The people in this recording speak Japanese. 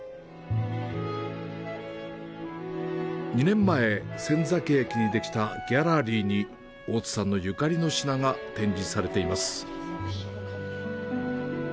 ２年前、仙崎駅にできたギャラリーに大津さんのゆかりの品が展示されています。